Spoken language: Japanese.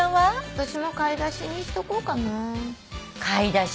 私も「買い出し」にしとこうかな。